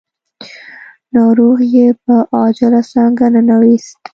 ناروغ يې په عاجله څانګه ننوېست.